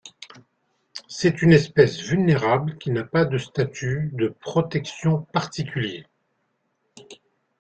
C'est une espèce vulnérable qui n'a pas de statut de protection particulier.